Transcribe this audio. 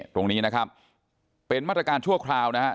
ตรงนี้นะครับเป็นมาตรการชั่วคราวนะฮะ